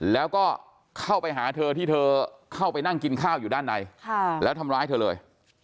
แล้วก็เข้าไปหาเธอที่เธอเข้าไปนั่งกินข้าวอยู่ด้านในแล้วทำร้ายเธอเลย